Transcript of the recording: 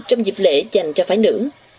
trong dịp lễ dành cho phái nữ